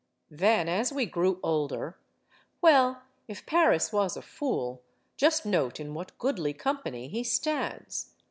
Then, as we grew older Well, if Paris was a fool, just note in what goodly company he stands.